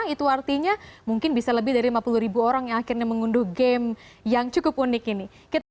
itu artinya mungkin bisa lebih dari lima puluh ribu orang yang akhirnya mengunduh game yang cukup unik ini